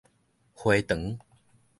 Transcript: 迴腸